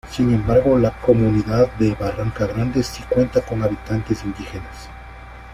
Sin embargo, la comunidad de Barranca Grande si cuenta con habitantes indígenas.